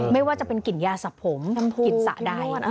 ไม่ว่าจะเป็นกลิ่นยาสับผมกลิ่นสระใด